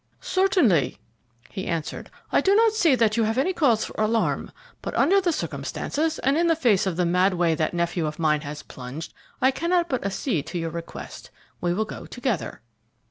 "Certainly," he answered. "I do not see that you have any cause for alarm, but under the circumstances, and in the face of the mad way that nephew of mine has plunged, I cannot but accede to your request. We will go together."